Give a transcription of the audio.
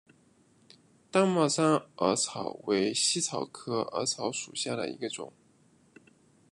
大帽山耳草为茜草科耳草属下的一个种。